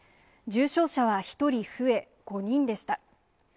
重症者は１人増え、５人でした。